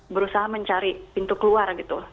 berusaha mencari pintu keluar gitu